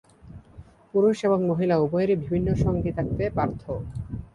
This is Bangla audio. পুরুষ এবং মহিলা উভয়েরই বিভিন্ন সঙ্গী থাকতে পারত।